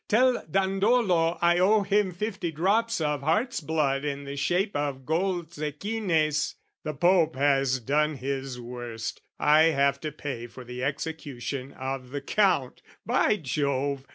"Tell Dandolo I owe him fifty drops "Of heart's blood in the shape of gold zecchines! "The Pope has done his worst: I have to pay "For the execution of the Count, by Jove!